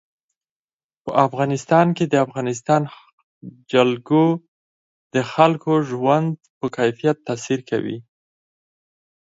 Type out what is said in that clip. په افغانستان کې د افغانستان جلکو د خلکو د ژوند په کیفیت تاثیر کوي.